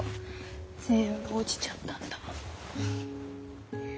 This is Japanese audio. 全部落ちちゃったんだもん。